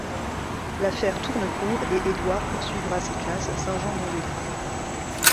L'affaire tourne court et Édouard poursuivra ses classes à Saint-Jean-d'Angély.